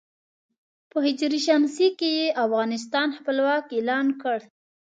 په ه ش کې یې افغانستان خپلواک اعلان کړ.